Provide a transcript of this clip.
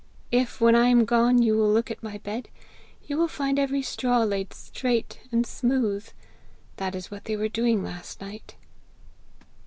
If, when I am gone, you will look at my bed, you will find every straw laid straight and smooth. That is what they were doing last night.'